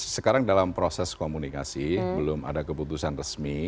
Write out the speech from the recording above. sekarang dalam proses komunikasi belum ada keputusan resmi